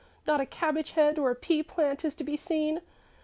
Not a cabbage head or a pea plant is to be seen.